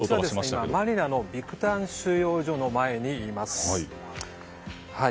私は今、マニラのビクタン収容所の前にいます。